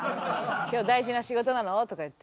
「今日大事な仕事なの？」とか言って。